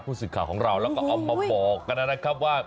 ผู้สึกข่าวของเราแล้วเอามาบอกนะครับว่า